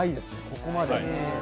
ここまで。